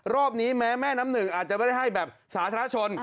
รอบนี้แม้แม่น้ำหนึ่งอาจจะไม่ได้ให้แบบสาธารณชน